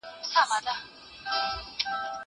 زه پرون درسونه واورېدل.